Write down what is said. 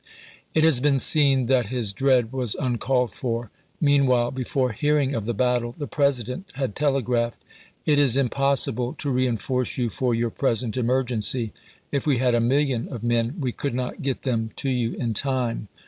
It iwd., p. 282. has been seen that his dread was uncalled for. Meanwhile, before hearing of the battle, the Presi dent had telegraphed : It is impossible to reenforce you for your present July i, 1862. emergency. If we had a million of men we could not get them to you in time.